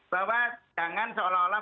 bahwa jangan seolah olah